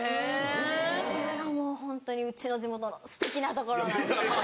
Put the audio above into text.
これがもうホントにうちの地元のすてきなところなんです。